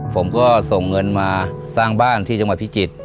ผมก็ส่งเงินมาสร้างบ้านที่จังหวัดพิจิตร